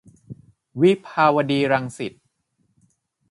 วิภาวดีรังสิต